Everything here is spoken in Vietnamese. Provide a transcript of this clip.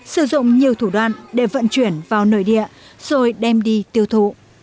sử dụng nhiều thủ đoạn để vận chuyển vào nội địa rồi đem đi tiêu thụ